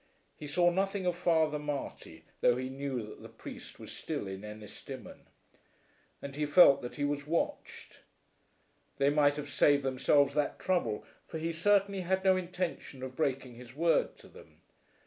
He saw nothing of Father Marty though he knew that the priest was still in Ennistimon. And he felt that he was watched. They might have saved themselves that trouble, for he certainly had no intention of breaking his word to them.